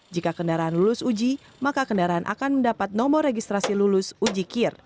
jika kendaraan lulus uji maka kendaraan akan mendapat nomor registrasi lulus uji kir